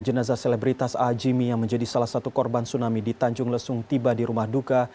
jenazah selebritas a jimmy yang menjadi salah satu korban tsunami di tanjung lesung tiba di rumah duka